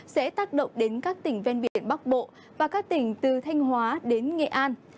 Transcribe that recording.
sẽ tác động đến các tỉnh ven biển bắc bộ và các tỉnh từ thanh hóa đến nghệ an